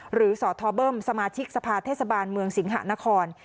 สทเบิ้มสมาชิกสภาเทศบาลเมืองสิงหานคร